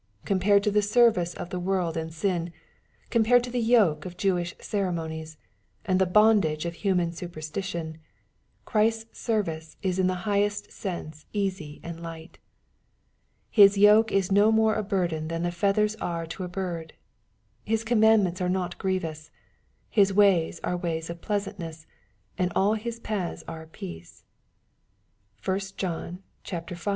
Compared to the service of the world and siti, compared to the yoke of Jewish ceremonies, and the bondage of human superstition, Christ's service is in the highest sense easy and light. His yoke is no more a burden than the feathers are to a bird. His commandments are not grievous. His ways are ways of pleasantness, and all his paths are peace. (1 John V.